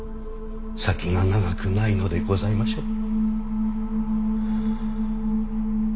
先が長くないのでございましょう？